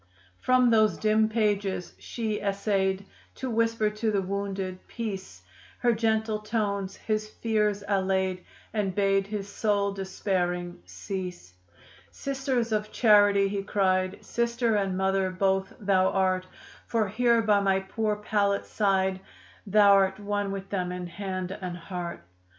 From those dim pages she essayed To whisper to the wounded, "Peace!" Her gentle tones his fears allayed And bade his soul despairing cease. "Sister of Charity!" he cried, "Sister and mother both thou art; For here by my poor pallet side, Thou'rt one with them in hand and heart."